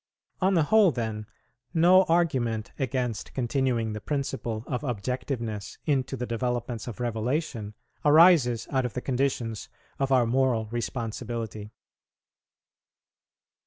On the whole, then, no argument against continuing the principle of objectiveness into the developments of Revelation arises out of the conditions of our moral responsibility.